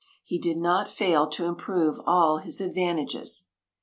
He did not fail to improve all his advantages.